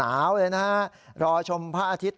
หนาวเลยนะฮะรอชมพระอาทิตย์